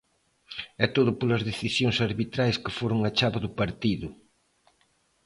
E todo polas decisións arbitrais que foron a chave do partido.